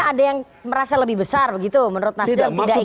artinya ada yang merasa lebih besar begitu menurut nasdem tidak equal semua